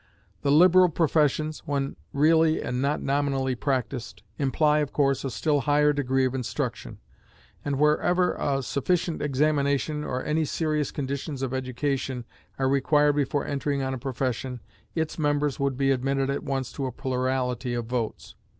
The liberal professions, when really and not nominally practiced, imply, of course, a still higher degree of instruction; and wherever a sufficient examination, or any serious conditions of education, are required before entering on a profession, its members could be admitted at once to a plurality of votes.